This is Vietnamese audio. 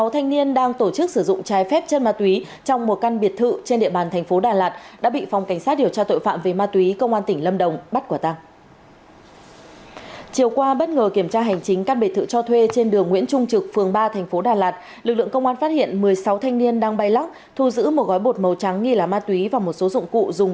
trần hưng đạo phường bình minh thành phố lào cai các trinh sát phòng cảnh sát điều tra tội phạm về ma túy công an huyện mường khương